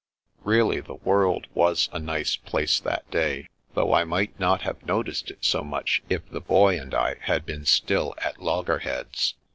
Really the world was a nice place that day, though There is No Such Girl 267 I might not have noticed it so much if the Boy and I had been still at loggerheads.